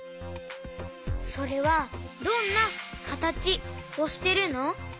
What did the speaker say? それはどんなかたちをしてるの？